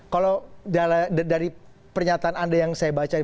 kalau dari pernyataan anda yang saya baca